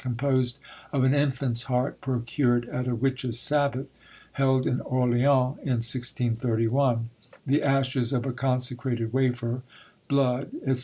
composed of an infant's heart procured at a witches' sabbath, held in Orleans in 1631; the ashes of a consecrated wafer, blood, etc.